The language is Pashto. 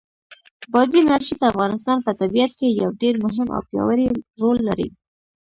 بادي انرژي د افغانستان په طبیعت کې یو ډېر مهم او پیاوړی رول لري.